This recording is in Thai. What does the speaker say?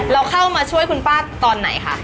เราเข้ามาช่วยคุณป้าตอนไหนคะ